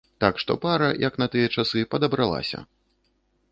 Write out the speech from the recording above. Так што пара, як на тыя часы, падабралася.